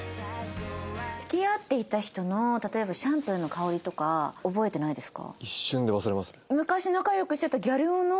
付き合っていた人の例えばシャンプーの香りとか覚えてないですか？